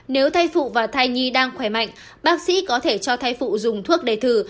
nếu thai phụ và thai nhi đang khỏe mạnh bác sĩ có thể cho thai phụ dùng thuốc đề thử